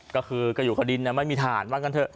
ก็คือกระหยุดกระดินไม่มีฐานบ้างกันเถอะ